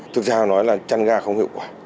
thực ra nói là chăn gà không hiệu quả